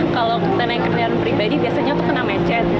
kalau kita naik kendaraan pribadi biasanya tuh kena macet